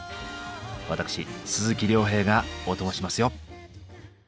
私鈴木亮平がオトモしますよ。